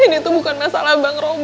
ini tuh bukan masalah bang robb